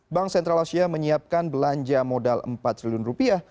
bank sentral asia menyiapkan belanja modal empat triliun rupiah